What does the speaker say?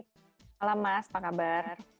selamat malam mas apa kabar